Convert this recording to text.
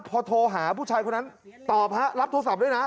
พอโทรหาผู้ชายคนนั้นตอบฮะรับโทรศัพท์ด้วยนะ